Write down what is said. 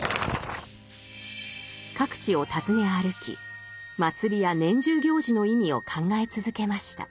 各地を訪ね歩き祭りや年中行事の意味を考え続けました。